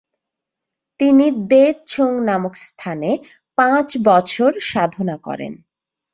তিনি দ্ব্যে-ছুং নামক স্থানে পাঁচ বছর সাধনা করেন।